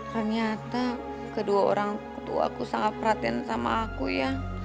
ternyata kedua orang tua aku sangat perhatian sama aku ya